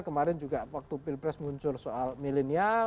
kemarin juga waktu pilpres muncul soal milenial